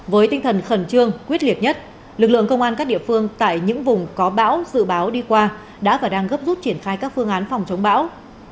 với tinh thần khẩn trương quyết liệt nhất lực lượng công an các địa phương tại những vùng có bão dự báo đi qua đã và đang gấp rút triển khai các phương án phòng chống bão